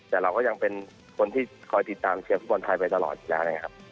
แต่เราก็ยังเป็นคนที่คอยติดตามเชียร์ฟุตบอลไทยไปตลอดอยู่แล้วนะครับ